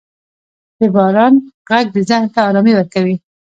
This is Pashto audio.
• د باران ږغ ذهن ته آرامي ورکوي.